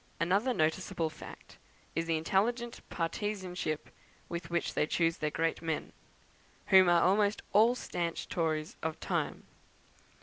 Another noticeable fact is the intelligent partisanship with which they choose their great men, who are almost all stanch Tories of the time.